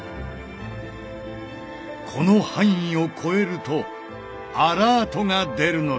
この範囲を越えるとアラートが出るのだ。